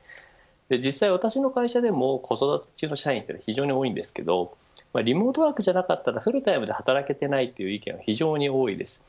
実際私の会社でも子育て中の社員が非常に多いのですがリモートワークじゃなかったらフルタイムで働けていないという意見が非常に多いです。